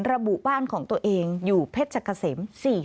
ระบุบ้านของตัวเองอยู่เพชรเกษม๔๔